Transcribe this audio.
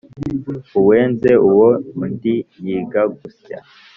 Uwenze uwo undi yiga gusya.